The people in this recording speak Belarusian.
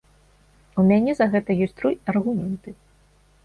У мяне за гэта ёсць тры аргументы.